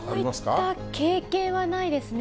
こういった経験はないですね。